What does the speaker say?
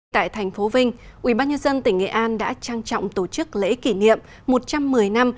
tại thành phố vinh ubnd tỉnh nghệ an đã trang trọng tổ chức lễ kỷ niệm một trăm một mươi năm